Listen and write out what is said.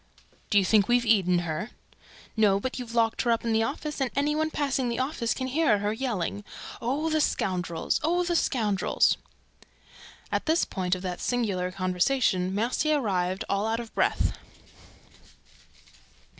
"Do you think we've eaten her?" "No, but you've locked her up in the office; and any one passing the office can hear her yelling, 'Oh, the scoundrels! Oh, the scoundrels!'" At this point of this singular conversation, Mercier arrived, all out of breath.